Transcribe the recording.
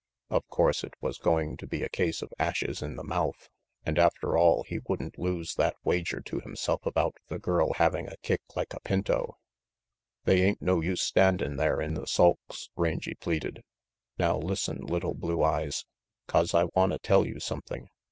Of course it was going to be a case of ashes in the mouth, and after 76 RANGY PETE all he wouldn't lose that wager to himself about the girl having a kick like a pinto. "They ain't no use standin' there in the sulks," Rangy pleaded. "Now listen, little Blue Eyes, 'cause I wanta tell you something.